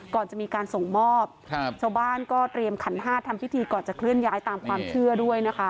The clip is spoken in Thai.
ก่อนจะมีการส่งมอบชาวบ้านก็เตรียมขันห้าทำพิธีก่อนจะเคลื่อนย้ายตามความเชื่อด้วยนะคะ